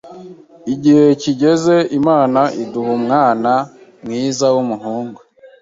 igihe kigeze Imana iduha umwana mwiza w’umuhungu,